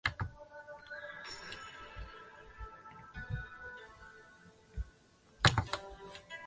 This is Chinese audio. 依喜多杰生于藏历火龙年藏东康地的米述。